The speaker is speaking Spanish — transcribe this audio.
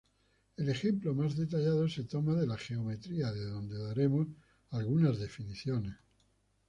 El ejemplo más detallado se toma de la geometría, de donde daremos algunas definiciones.